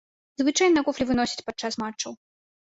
Звычайна куфлі выносяць падчас матчаў.